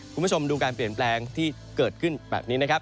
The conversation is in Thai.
คุณผู้ชมดูการเปลี่ยนแปลงที่เกิดขึ้นแบบนี้นะครับ